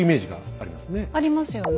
ありますよね。